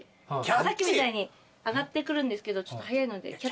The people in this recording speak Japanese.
さっきみたいに上がってくるんですけどちょっと速いので。